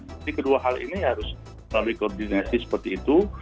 jadi kedua hal ini harus melalui koordinasi seperti itu